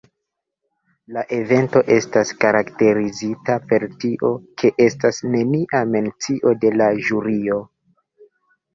La evento estas karakterizita per tio ke estas nenia mencio de la ĵurio.